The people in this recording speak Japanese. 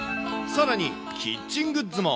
さらに、キッチングッズも。